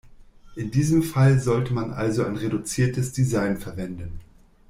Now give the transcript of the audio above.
In diesem Fall sollte man also ein reduziertes Design verwenden.